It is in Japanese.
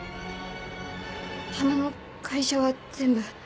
浜の会社は全部。